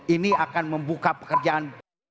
ini akan membuka pekerjaan